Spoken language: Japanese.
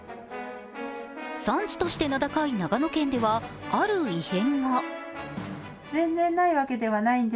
産地として名高い長野県ではある異変が。